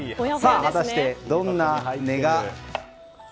果たしてどんな音が。